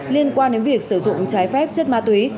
liên quan đến việc sử dụng trái phép chất ma túy